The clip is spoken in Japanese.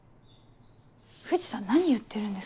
藤さん何言ってるんですか？